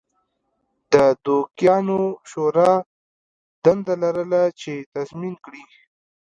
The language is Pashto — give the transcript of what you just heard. د دوکیانو شورا دنده لرله چې تضمین کړي